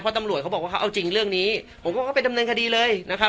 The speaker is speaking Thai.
เพราะตำรวจเขาบอกว่าเขาเอาจริงเรื่องนี้ผมก็เข้าไปดำเนินคดีเลยนะครับ